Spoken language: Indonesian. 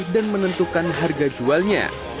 dan menentukan harga jualnya